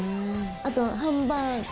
あとハンバーガー。